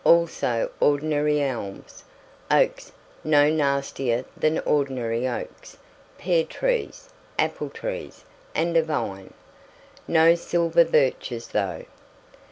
Also ordinary elms, oaks no nastier than ordinary oaks pear trees, apple trees, and a vine. No silver birches, though.